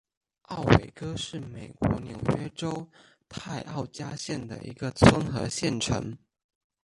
奥韦戈是美国纽约州泰奥加县的一个村和县城。